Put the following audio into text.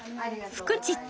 「フクチッチ」